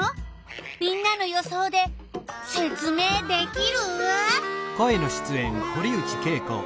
みんなの予想でせつ明できる？